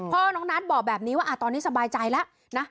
น้องนัทบอกแบบนี้ว่าตอนนี้สบายใจแล้วนะ